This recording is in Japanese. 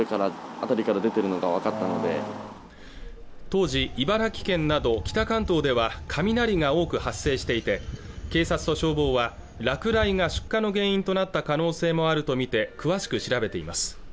当時茨城県など北関東では雷が多く発生していて警察と消防は落雷が出火の原因となった可能性もあると見て詳しく調べています